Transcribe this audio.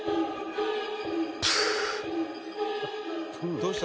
どうした？